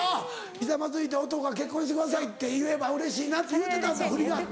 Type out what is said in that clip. ひざまずいて男が結婚してくださいって言えばうれしいなって言うてたんだふりがあって。